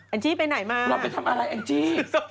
จี้ไปไหนมาเราไปทำอะไรแองจี้